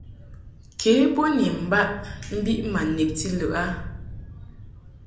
Ke bo ni mbaʼ mbiʼ ma nebti lɨʼ a.